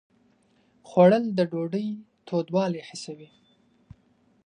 خوړل د ډوډۍ تودوالی حسوي